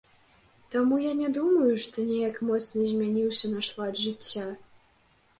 Таму я не думаю, што неяк моцна змяніўся наш лад жыцця.